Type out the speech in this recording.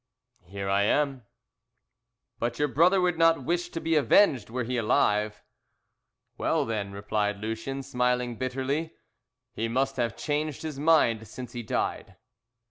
"Here I am." "But your brother would not wish to be avenged were he alive." "Well, then," replied Lucien, smiling bitterly, "he must have changed his mind since he died."